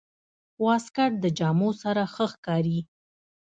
واسکټ د جامو سره ښه ښکاري.